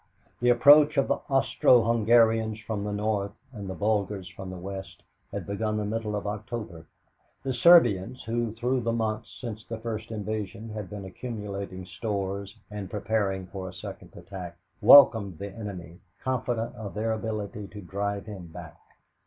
The approach of the Austro Hungarians from the north and the Bulgars from the west had begun the middle of October. The Serbians, who, through the months since the first invasion, had been accumulating stores and preparing for a second attack, welcomed the enemy, confident of their ability to drive him back.